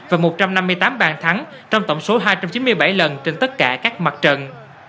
và một trăm năm mươi tám bàn thắng trong tổng số hai trăm chín mươi bảy lần trên tất cả các mặt trận